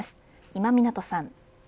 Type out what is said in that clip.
今湊さん。